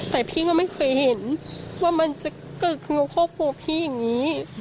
แต่พี่ก็ไม่เคยเห็นว่ามันจะเกิดขึ้นกับครอบครัวพี่อย่างนี้